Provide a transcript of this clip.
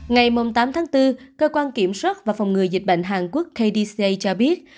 ngày tám tháng bốn cơ quan kiểm soát và phòng ngừa dịch bệnh hàn quốc kdca cho biết